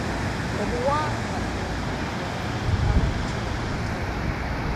Obuwanga obwo bw'abantu abattibwa mu lutalo.